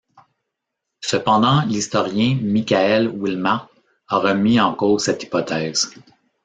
Cependant, l'historien Mickael Wilmart a remis en cause cette hypothèse.